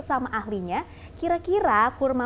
sama ahlinya kira kira kurma